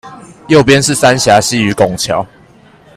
右邊是三峽溪與拱橋